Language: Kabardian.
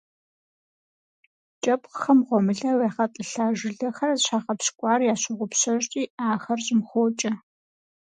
КIэпхъхэм гъуэмылэу ягъэтIылъа жылэхэр щагъэпщкIуар ящогъупщэжри, ахэр щIым хокIэ.